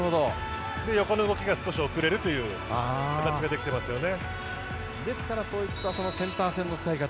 横の動きが少し遅れるという形ができていますよね。